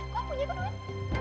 kok aku punya duit